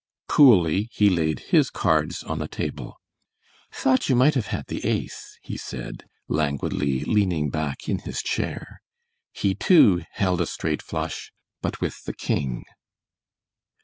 Coolly he laid his cards on the table. "Thought you might have had the ace," he said, languidly, leaning back in his chair. He, too, held a straight flush, but with the king.